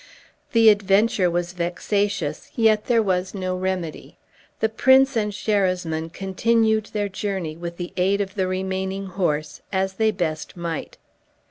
The adventure was vexatious, yet there was no remedy. The prince and Sherasmin continued their journey with the aid of the remaining horse as they best might.